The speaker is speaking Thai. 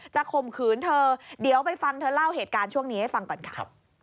ข่มขืนเธอเดี๋ยวไปฟังเธอเล่าเหตุการณ์ช่วงนี้ให้ฟังก่อนค่ะ